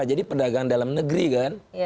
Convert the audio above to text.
jadi perdagangan dalam negeri kan